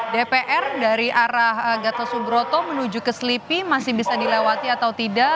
dpr dari arah gatot subroto menuju ke selipi masih bisa dilewati atau tidak